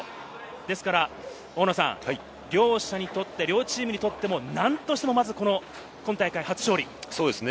ですから、両者にとって、両チームにとって何としても、まず今大会初勝利。